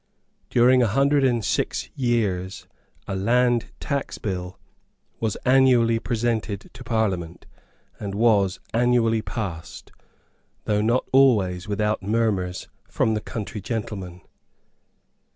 During a hundred and six years, a land tax bill was annually presented to Parliament, and was annually passed, though not always without murmurs from the country gentlemen.